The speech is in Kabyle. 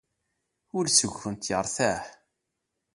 Ul seg-kent yertaḥ.